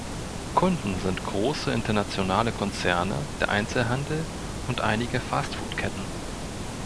Kunden sind große internationale Konzerne, der Einzelhandel und einige Fast-Food-Ketten.